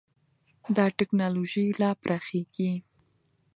دا ټېکنالوژي لا پراخېږي.